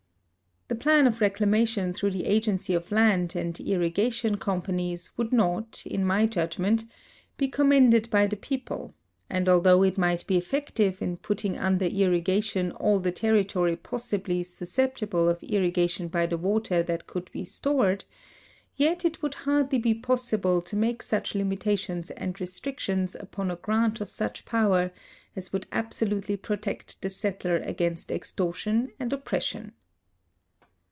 The plan of reclamation through the agency of land and irri gation companies would not, in my judgment, be commended by the people, and although it might be effective in putting under irrigation all the territory possibly susceptible of irriga tion by the water that could be stored, yet it would hardly be possible to make such limitations and restrictions upon a grant of such power as would absolutely protect the settler against ex tortion and oppression.